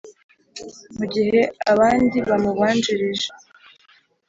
Mu gihe abandi bamubanjirije